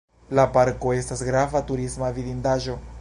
La parko estas grava turisma vidindaĵo.